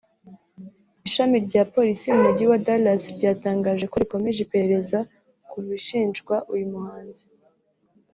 Ishami rya Polisi mu Mujyi wa Dallas ryatangaje ko rikomeje iperereza ku bishinjwa uyu muhanzi